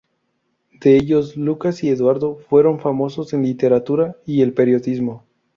De ellos Lucas y Eduardo, fueron famosos en la literatura y el periodismo.